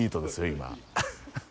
今。